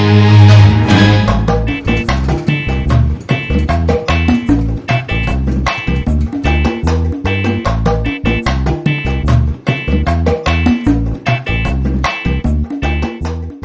gak usah diributin